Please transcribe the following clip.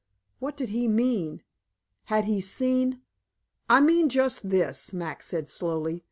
What did he mean? Had he seen "I mean just this," Max said slowly.